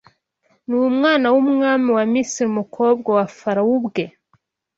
Ni umwana w’umwami wa Misiri umukobwa wa Farawo ubwe